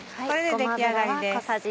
これで出来上がりです。